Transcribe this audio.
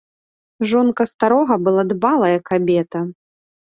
Жонка старога была дбалая кабета.